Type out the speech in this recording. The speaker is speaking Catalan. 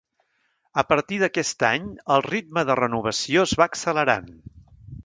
A partir d'aquest any el ritme de renovació es va accelerant.